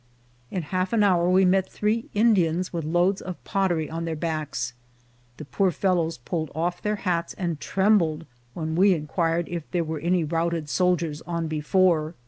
In half an hour we met three Indians, with loads of pottery on their backs. The poor fellows pulled off their hats, and trembled when we inquired if there were any routed soldiers on before.